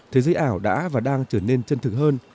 thế giới ảo đã và đang trở nên chân thực hơn